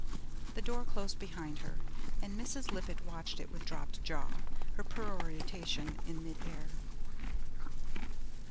The door closed behind her, and Mrs. Lippett watched it with dropped jaw, her peroration in mid air.